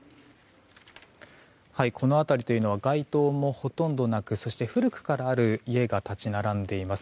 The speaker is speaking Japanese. この辺りは街灯もほとんどなくそして古くからある家が立ち並んでいます。